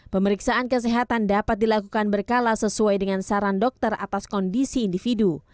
pemeriksaan kesehatan dapat dilakukan berkala sesuai dengan saran dokter atas kondisi individu